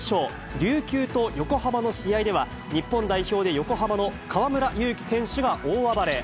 琉球と横浜の試合では、日本代表で横浜の河村勇輝選手が大暴れ。